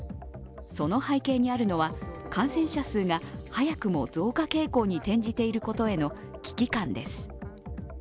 その背景にあるのは、感染者数が早くも増加傾向に転じていることへの危機感です。